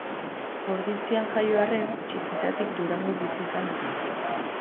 Ordizian jaio arren, txikitatik Durangon bizi izan zen.